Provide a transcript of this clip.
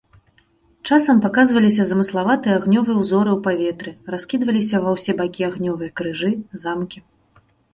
Часам паказваліся замыславатыя агнёвыя ўзоры ў паветры, раскідваліся ва ўсе бакі агнёвыя крыжы, замкі.